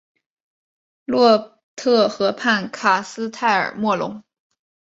洛特河畔卡斯泰尔莫龙。